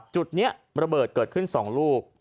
จุดนี้ระเบิดเกิดขึ้น๒ลูก